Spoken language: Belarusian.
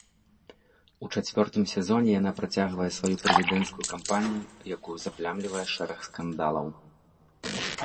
У чацвёртым сезоне яна працягвае сваю прэзідэнцкую кампанію, якую заплямлівае шэраг скандалаў.